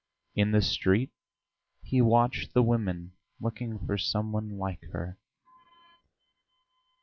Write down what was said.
In the street he watched the women, looking for some one like her.